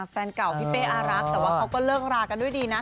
แฟนเก่าพี่เป้อารักแต่ว่าเขาก็เลิกรากันด้วยดีนะ